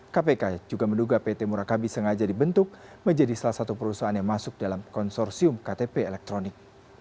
kpk juga menduga pt murakabi sengaja dibentuk menjadi salah satu perusahaan yang masuk dalam konsorsium ktp elektronik